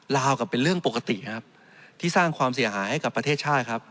ลาวกับเป็นเรื่องปกติครับที่สร้างความเสียหายให้กับประเทศชาติครับ